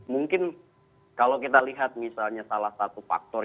mungkin kalau kita lihat misalnya salah satu faktor